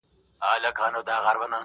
دوی د هیڅ قوم استازي ندي